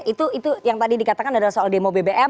itu yang tadi dikatakan adalah soal demo bbm